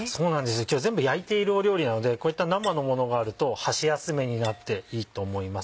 今日全部焼いている料理なのでこういった生のものがあると箸休めになっていいと思います。